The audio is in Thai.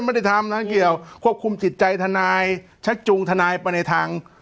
ไม่ได้ทำนะเกี่ยวควบคุมจิตใจทนายชักจูงทนายไปในทาง